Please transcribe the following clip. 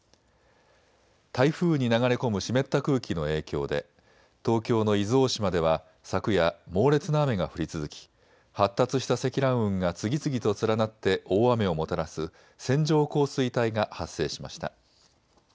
台風に流れ込む湿った空気の影響で東京の伊豆大島では昨夜、猛烈な雨が降り続き発達した積乱雲が次々と連なって大雨をもたらす線状降水帯が発生しました。